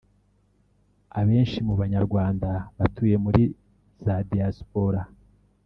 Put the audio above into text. Abenshi mu Banyarwanda batuye muri za Diaspora